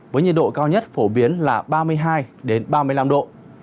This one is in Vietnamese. với nhiệt độ cao nhất phổ biến là ba mươi hai ba mươi năm độ